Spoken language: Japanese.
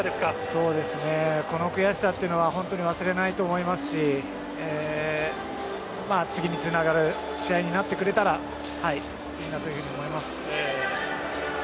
この悔しさというのは本当に忘れないと思いますし次につながる試合になってくれたらいいなと思います。